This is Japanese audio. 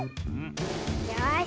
よし。